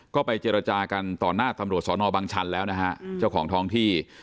ก็ไปเจรจากันต่อหน้าตำรวจสอนอบังชันแล้วนะฮะเจ้าของท้องที่